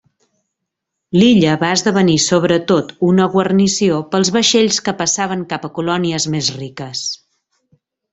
L'illa va esdevenir sobretot una guarnició pels vaixells que passaven cap a colònies més riques.